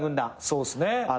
そうっすね。